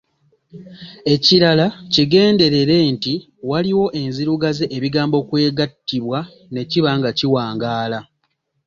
Ekirala, kigenderere nti waliwo enzirugaze ebigambo kw'egattibwa ne kiba nga kiwangaala.